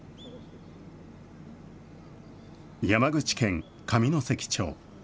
山口県上関町。